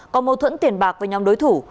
có mâu thuẫn tiền bạc với nhóm đối thủ